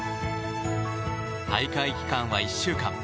大会期間は１週間。